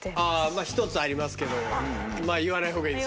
１つありますけど言わない方がいいですよね。